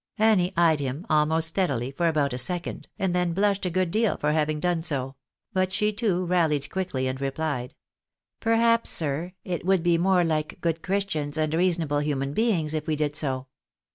Annie eyed him almost steadily, for about a second, and then blushed a good deal for having done so ; but she, too, rallied quickly, and replied —" Perhaps, sir, it would be more like good Christians and reasonable human beings if we did so."